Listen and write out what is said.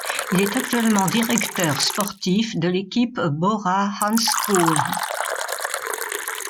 Il est actuellement directeur sportif de l'équipe Bora-Hansgrohe.